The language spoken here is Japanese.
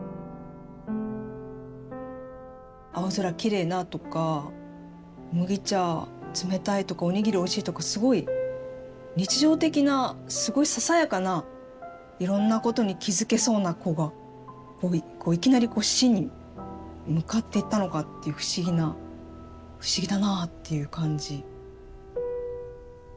青空きれいなとか麦茶冷たいとかおにぎりおいしいとかすごい日常的なすごいささやかないろんなことに気付けそうな子がいきなりこう死に向かっていったのかっていう不思議な不思議だなぁっていう感じ。